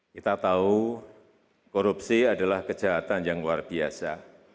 kita tahu korupsi adalah kejahatan yang luar biasa